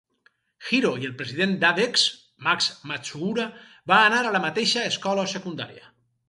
Hiro i el president d'Avex, Max Matsuura, va anar a la mateixa escola secundària.